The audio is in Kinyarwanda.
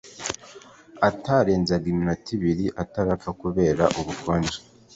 atarenzaga iminota ibiri atarapfa kubera ubukonje.